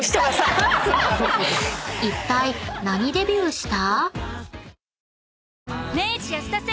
［いったい何デビューした？］